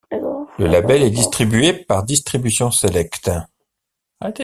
Le label est distribué par Distribution Select.